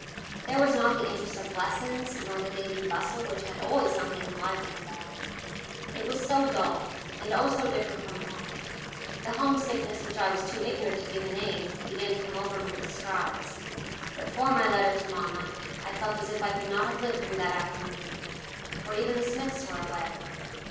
There was not the interest of lessons, nor the daily bustle which had always something enlivening about it. It was so dull, and oh, so different from home! The home sickness which I was too ignorant to give a name to began to come over me with strides; but for my letter to mamma I felt as if I could not have lived through that afternoon. For even the Smiths were away.